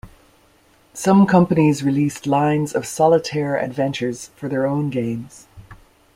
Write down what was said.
Some companies released lines of solitaire adventures for their own games.